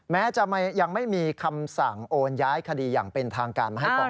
แม้จะยังไม่มีคำสั่งโอนย้ายคดีอย่างเป็นทางการมาให้ก่อน